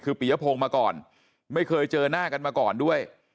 คือปียพงศ์มาก่อนไม่เคยเจอหน้ากันมาก่อนด้วย